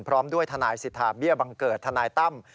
พร้อมด้วยทนายสิทธาเบี้ยบังเกิดทนายตั้ม